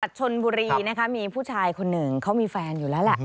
สัตว์ชนบุรีมีผู้ชายคนหนึ่งเขามีแฟนอยู่แล้วล่ะ